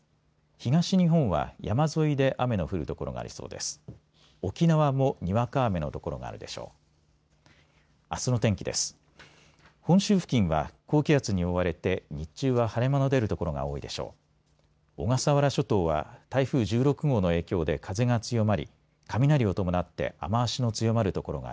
東日本は山沿いで雨の降る所がありそうです。